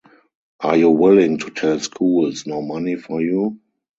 Are you willing to tell schools, no money for you?